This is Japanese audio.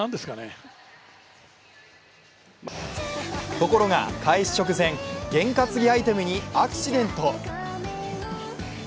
ところが開始直前、験担ぎアイテムにアクシデント。